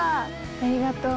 ありがとう。